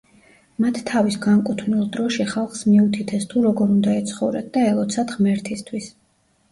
მათ თავის განკუთვნილ დროში ხალხს მიუთითეს თუ როგორ უნდა ეცხოვრათ და ელოცათ ღმერთისთვის.